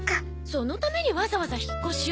そのためにわざわざ引っ越しを？